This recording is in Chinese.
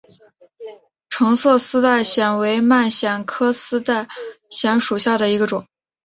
橙色丝带藓为蔓藓科丝带藓属下的一个种。